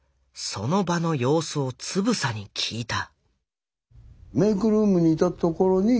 その場の様子をつぶさに聞いた。